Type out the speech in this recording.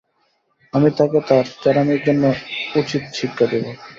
আমি তাকে তার এই ত্যাড়ামির জন্য উচিৎ শিক্ষা দেবো!